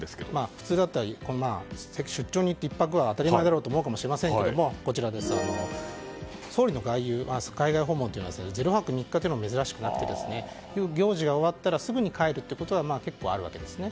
普通だったら、出張に行って１泊は当たり前だろうと思うかもしれませんが総理の海外訪問というのは０泊３日というのも珍しくなくて行事が終わったらすぐに帰るということは結構あるわけですね。